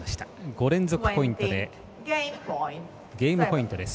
５連続ポイントでゲームポイントです。